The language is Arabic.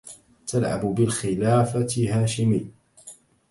تلعب بالخلافة هاشمي